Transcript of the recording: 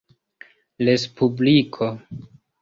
respubliko